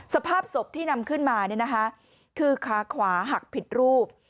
สภาพศพที่นำขึ้นมาคือขาขวาหักผิดรูป